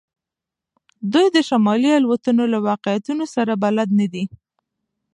دوی د شمالي الوتنو له واقعیتونو سره بلد نه دي